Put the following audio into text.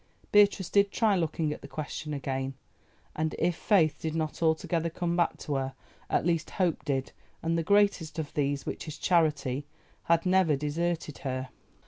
Beatrice did try looking at the question again, and if Faith did not altogether come back to her at least Hope did, and "the greatest of these, which is Charity," had never deserted her.